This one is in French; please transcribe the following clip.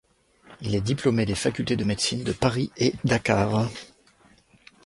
Il est diplômé des facultés de médecine de Paris et Dakar.